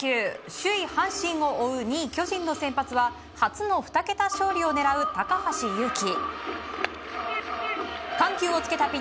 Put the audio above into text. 首位、阪神を追う２位、巨人の先発は初の２桁勝利を狙う高橋優貴。